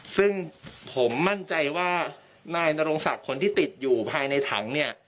ซึ่งผมมั่นใจว่านายนรงศักดิ์คนที่ติดอยู่ภายในถังเนี่ย